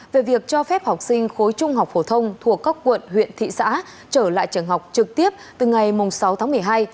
về việc cho phép học sinh khối trung học phổ thông thuộc các quận huyện thị xã trở lại trường học trực tiếp từ ngày sáu tháng một mươi hai